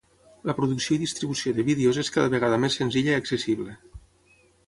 La producció i distribució de vídeos és cada vegada més senzilla i accessible.